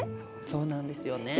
そうなんですよね。